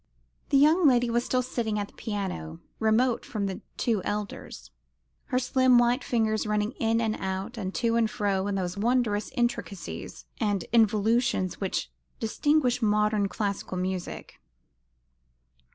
The young lady was still sitting at the piano, remote from the two elders, her slim white fingers running in and out and to and fro in those wondrous intricacies and involutions which distinguish modern classical music.